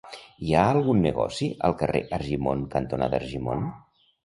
Hi ha algun negoci al carrer Argimon cantonada Argimon?